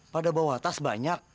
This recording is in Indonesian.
pada bawah atas banyak